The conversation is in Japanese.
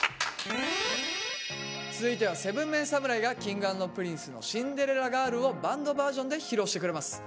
続いては７ＭＥＮ侍がＫｉｎｇ＆Ｐｒｉｎｃｅの「シンデレラガール」をバンドバージョンで披露してくれます。